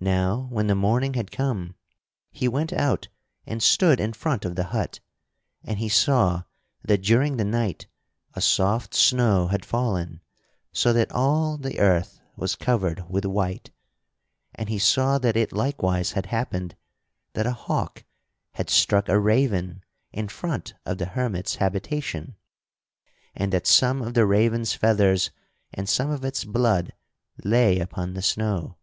Now when the morning had come he went out and stood in front of the hut, and he saw that during the night a soft snow had fallen so that all the earth was covered with white. And he saw that it likewise had happened that a hawk had struck a raven in front of the hermit's habitation, and that some of the raven's feathers and some of its blood lay upon the snow.